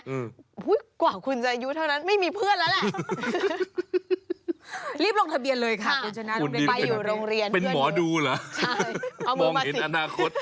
ก็คุณเท่านั้นกว่าคืนจะอายุเท่านั้นไม่มีเพื่อน